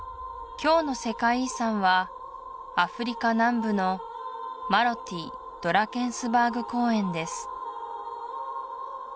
今日の世界遺産はアフリカ南部のマロティ＝ドラケンスバーグ公園です